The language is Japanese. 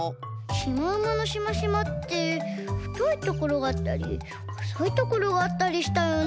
シマウマのシマシマってふといところがあったりほそいところがあったりしたよね。